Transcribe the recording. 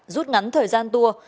rút ngắn thời gian tour